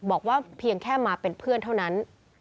บอกว่าเพียงแค่มาเป็นเพื่อนเท่านั้น